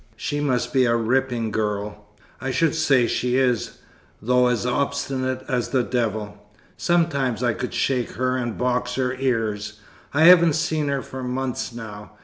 "She must be a ripping girl." "I should say she is! though as obstinate as the devil. Sometimes I could shake her and box her ears. I haven't seen her for months now.